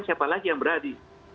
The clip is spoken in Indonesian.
siapa lagi yang berhadi